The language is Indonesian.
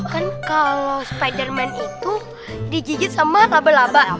kan kalau spiderman itu digigit sama label laba